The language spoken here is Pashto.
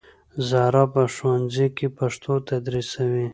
زهرا په ښوونځي کې پښتو تدریسوي